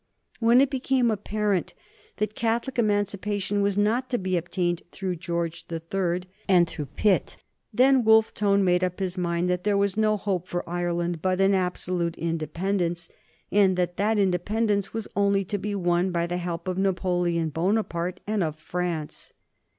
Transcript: When it became apparent that Catholic Emancipation was not to be obtained through George the Third and through Pitt, then Wolfe Tone made up his mind that there was no hope for Ireland but in absolute independence, and that that independence was only to be won by the help of Napoleon Bonaparte and of France.